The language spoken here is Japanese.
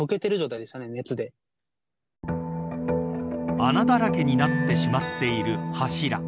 穴だらけになってしまっている柱。